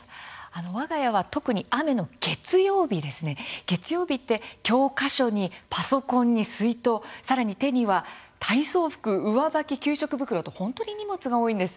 わが家は特に、雨の月曜日教科書にパソコンに水筒さらに手には体操服、上履き給食袋と本当に荷物が多いんです。